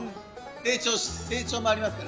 成長もありますから。